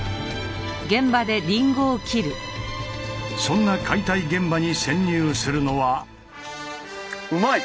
そんな解体現場に潜入するのは。